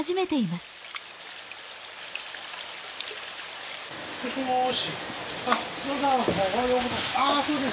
すのさんおはようございます。